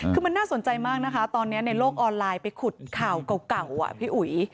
คือมันน่าสนใจมากนะคะตอนนี้ในโลกออนไลน์ไปขุดข่าวเก่าอ่ะพี่อุ๋ย